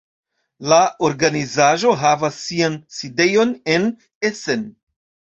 La organizaĵo havas sian sidejon en Essen.